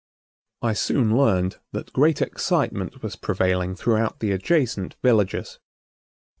I soon learned that great excitement was prevailing throughout the adjacent villages.